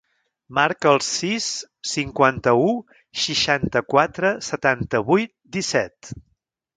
Marca el sis, cinquanta-u, seixanta-quatre, setanta-vuit, disset.